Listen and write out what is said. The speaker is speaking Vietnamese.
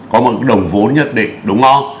có một đồng vốn nhất định đúng không